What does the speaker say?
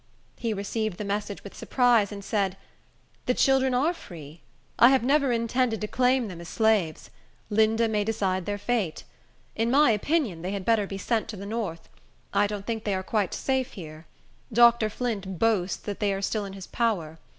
He received the message with surprise, and said, "The children are free. I have never intended to claim them as slaves. Linda may decide their fate. In my opinion, they had better be sent to the north. I don't think they are quite safe here. Dr. Flint boasts that they are still in his power.